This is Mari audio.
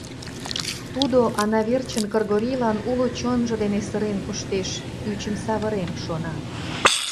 Тудо Ана верчын Кыргорийлан уло чонжо дене сырен коштеш, ӱчым савырем, шона.